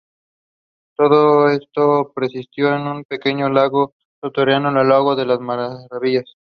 Todo esto presidido por un pequeño lago subterráneo, el "lago de las maravillas".